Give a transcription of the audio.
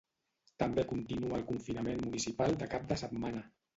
També continua el confinament municipal de cap de setmana.